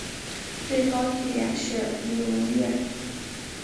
最高地点是礼文岳。